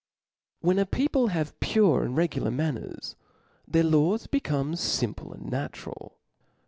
WHEN a people have pure and regular r^^of manners, their laws, become fisnple and laws, natural.